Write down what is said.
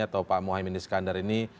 atau pak muhaymin iskandar ini